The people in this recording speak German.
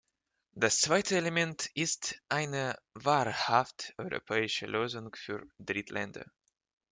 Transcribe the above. Das zweite Element ist eine wahrhaft europäische Lösung für Drittländer.